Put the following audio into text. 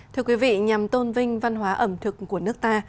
thưa quý vị nhằm tôn vinh văn hóa ẩm thực của nước ta